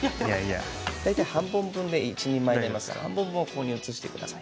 大体、半本分で一人前になりますので半本分をこちらに移してください。